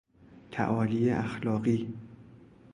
تعالی اخلاقی